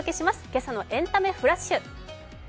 今朝の「エンタメフラッシュ」。